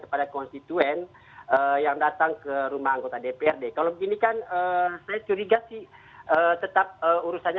padahal itu harus kita lakukan